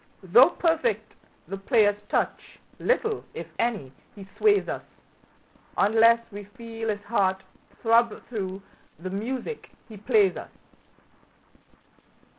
Though perfect the player's touch, little, if any, he sways us, Unless we feel his heart throb through the music he plays us.